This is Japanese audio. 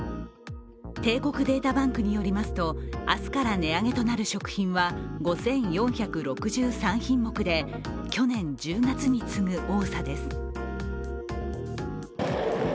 帝国データバンクによりますと明日から値上げとなる食品は５４６３品目で、去年１０月に次ぐ多さです。